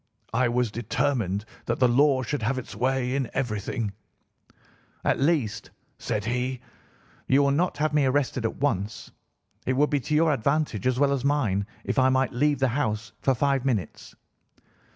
I was determined that the law should have its way in everything. "'At least,' said he, 'you will not have me arrested at once. It would be to your advantage as well as mine if I might leave the house for five minutes.